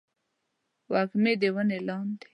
وږمې د ونې لاندې